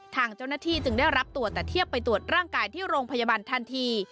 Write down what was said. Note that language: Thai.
ทางเจ้าหน้าที่จึงได้รับตัวตะเทียบไปตรวจร่างกายที่โรงพยาบาลทันที